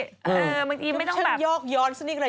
ฉันยอกย้อนฉริงกี่นึงไร